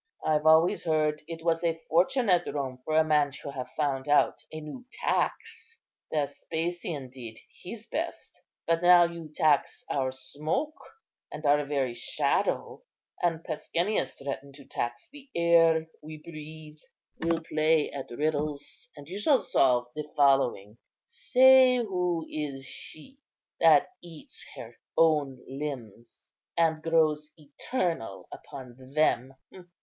I've always heard it was a fortune at Rome for a man to have found out a new tax. Vespasian did his best; but now you tax our smoke, and our very shadow; and Pescennius threatened to tax the air we breathe. We'll play at riddles, and you shall solve the following:—Say who is she that eats her own limbs, and grows eternal upon them?